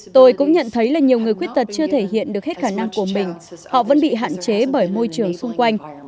tôi cũng nhận thấy là nhiều người khuyết tật chưa thể hiện được hết khả năng của mình họ vẫn bị hạn chế bởi môi trường xung quanh